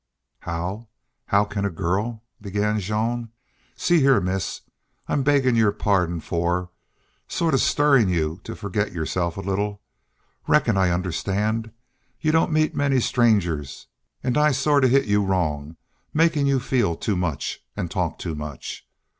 "How how can a girl..." began Jean. "See here, miss, I'm beggin' your pardon for sort of stirrin' you to forget yourself a little. Reckon I understand. You don't meet many strangers an' I sort of hit you wrong makin' you feel too much an' talk too much.